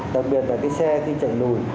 đặc biệt là cái xe khi chạy lùi